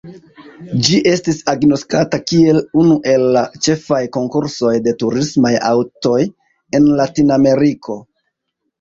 Ĝi estis agnoskata kiel unu el la ĉefaj konkursoj de turismaj aŭtoj en Latinameriko.